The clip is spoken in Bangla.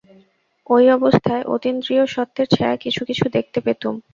ঐ অবস্থায় অতীন্দ্রিয় সত্যের ছায়া কিছু কিছু দেখতে পেতুম।